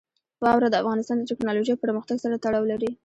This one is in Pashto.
واوره د افغانستان د تکنالوژۍ پرمختګ سره تړاو لري.